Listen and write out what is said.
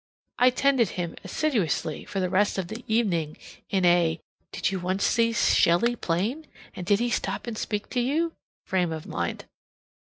I tended him assiduously for the rest of the evening in a Did you once see Shelley plain, And did he stop and speak to you? frame of mind.